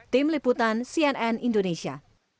tim liputan cnn indonesia